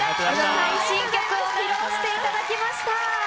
最新曲を披露していただきました。